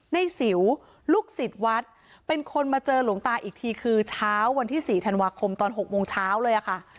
สิวลูกศิษย์วัดเป็นคนมาเจอหลวงตาอีกทีคือเช้าวันที่๔ธันวาคมตอน๖โมงเช้าเลยค่ะ